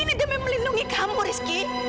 ini demi melindungi kamu rizky